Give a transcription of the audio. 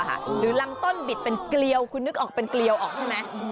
หรือลำต้นบิดเป็นเกลียวคุณนึกออกเป็นเกลียวออกใช่ไหม